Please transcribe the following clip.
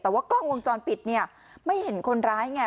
แต่ว่ากล้องวงจรปิดเนี่ยไม่เห็นคนร้ายไง